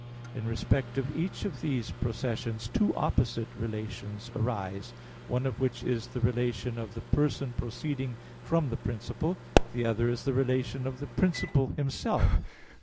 In respect of each of these processions two opposite relations arise; one of which is the relation of the person proceeding from the principle; the other is the relation of the principle Himself.